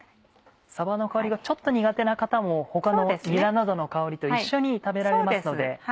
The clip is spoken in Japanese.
さばの香りがちょっと苦手な方も他のにらなどの香りと一緒に食べられますので。